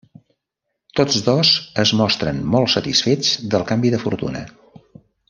Tots dos es mostren molt satisfets del canvi de fortuna.